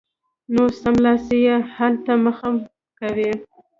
نو سملاسي یې حل ته مه مخه کوئ